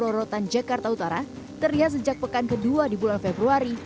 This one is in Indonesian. di tpu rorotan jakarta utara terlihat sejak pekan kedua di bulan februari